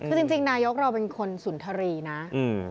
คือจริงนายกเราเป็นคนสุนทรีย์นะ